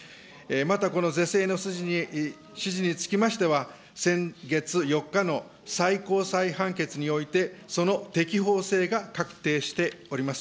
またこの是正の指示につきましては、先月４日の最高裁判決において、その適法性が確定しております。